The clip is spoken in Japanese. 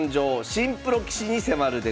新プロ棋士に迫る！」でございます。